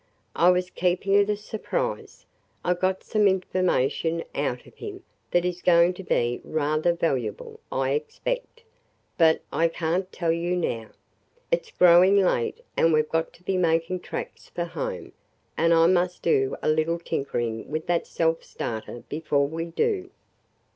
"I was keeping it a surprise. I got some information out of him that is going to be rather valuable, I expect. But I can't tell you now. It 's growing late and we 've got to be making tracks for home, and I must do a little tinkering with that self starter before we do.